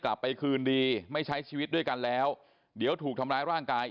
กลับไปคืนดีไม่ใช้ชีวิตด้วยกันแล้วเดี๋ยวถูกทำร้ายร่างกาย